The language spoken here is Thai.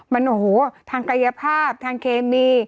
มันโอ้โหทางกายภาพทางเคมี